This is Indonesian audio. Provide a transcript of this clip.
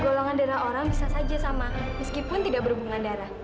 golongan darah orang bisa saja sama meskipun tidak berhubungan darah